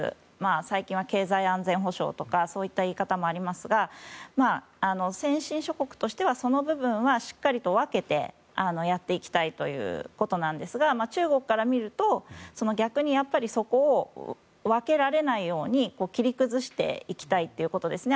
最近は経済安全保障とかそういった言い方もありますが先進諸国としてはその部分はしっかりと分けてやっていきたいということなんですが中国から見ると逆に、そこを分けられないように切り崩していきたいということですね。